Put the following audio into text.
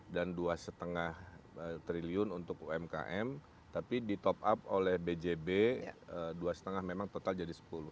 dan dua lima triliun untuk umkm tapi di top up oleh bjb dua lima memang total jadi sepuluh